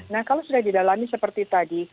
nah kalau sudah didalami seperti tadi